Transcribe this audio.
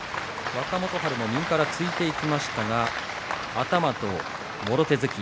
若元春も右からついていきましたが頭ともろ手突き